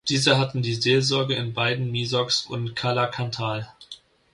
Diese hatten die Seelsorge in beiden Misox und Calancatal.